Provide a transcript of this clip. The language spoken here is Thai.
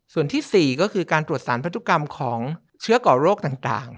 ส่วนที่๔ก็คือการตรวจสารพันธุกรรมของเชื้อก่อโรคต่าง